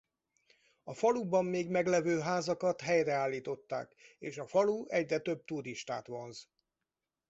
A faluban még meglevő házakat helyreállították és a falu egyre több turistát vonz.